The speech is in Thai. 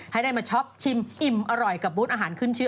ให้ได้มาช็อปชิมอิ่มอร่อยกับบูธอาหารขึ้นชื่อ